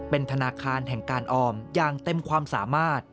เป็นธนาคารแห่งการออมอย่างเต็มความสามารถ